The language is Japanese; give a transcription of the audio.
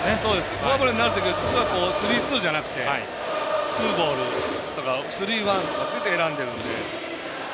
フォアボールになる時は実はスリーツーじゃなくてツーボールとかスリーワンとかに持っていって選んでいるので。